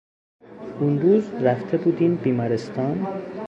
اونروز رفته بودین بیمارستان؟